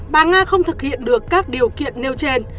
bà nga không thực hiện được các điều kiện nêu trên